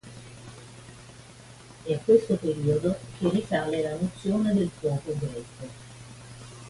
È a questo periodo che risale la nozione del fuoco greco.